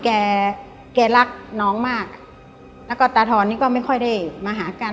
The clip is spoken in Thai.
แกแกรักน้องมากแล้วก็ตาทอนนี่ก็ไม่ค่อยได้มาหากัน